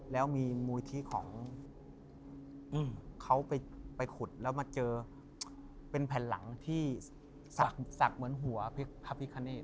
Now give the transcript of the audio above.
แล้วไปคุดมาเจอแผ่นหลังที่สักเหมือนหัวพริกคาเนต